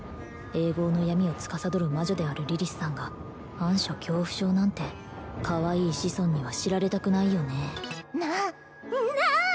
永劫の闇をつかさどる魔女であるリリスさんが暗所恐怖症なんてかわいい子孫には知られたくないよねなっなっ